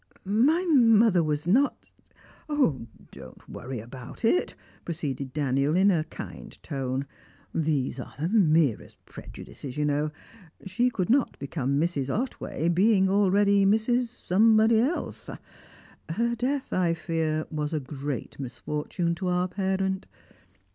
My mother was not ?" "Don't worry about it," proceeded Daniel in a kind tone. "These are the merest prejudices, you know. She could not become Mrs. Otway, being already Mrs. Somebody else. Her death, I fear, was a great misfortune to our parent.